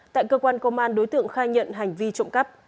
tại cơ quan công an đối tượng khai nhận hành vi trộm cắp